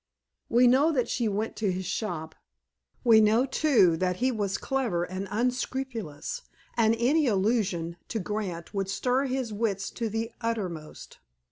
We know that she went to his shop. We know, too, that he was clever and unscrupulous, and any allusion to Grant would stir his wits to the uttermost.